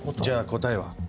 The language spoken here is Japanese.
じゃあ答えは？